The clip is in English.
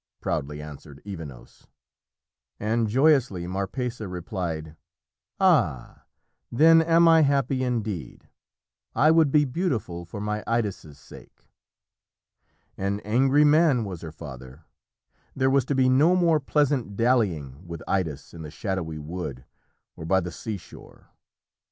proudly answered Evenos. And joyously Marpessa replied, "Ah, then am I happy indeed! I would be beautiful for my Idas' sake!" An angry man was her father. There was to be no more pleasant dallying with Idas in the shadowy wood or by the seashore.